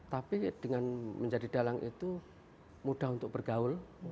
tapi dengan menjadi dalang itu mudah untuk bergaul